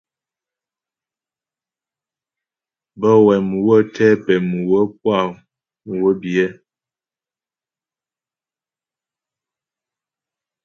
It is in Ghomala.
Bə́ wɛ mhwə̌ tɛ pɛ̌ mhwə̀ puá mhwə biyɛ.